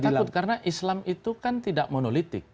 saya takut karena islam itu kan tidak monolitik